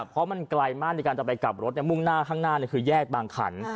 เพราะมันไกลมากในการจะไปกลับรถมุ่งหน้าข้างหน้าคือแยกบางขัน